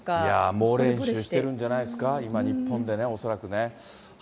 猛練習してるんじゃないですか、今、日本でね、恐らくね。